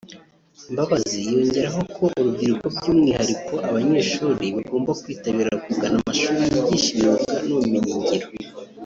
Mbabazi yongeraho ko urubyiruko by’umwihariko abanyeshuri bagomba kwitabira kugana amashuri yigisha imyuga n’ubumenyingiro